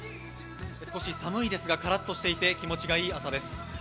少し寒いですがカラッとしていて気持ちのいい朝です。